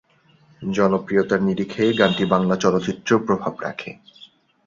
জনপ্রিয়তার নিরিখে গানটি বাংলা চলচ্চিত্রেও প্রভাব রাখে।